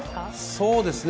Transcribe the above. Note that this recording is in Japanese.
そうですね。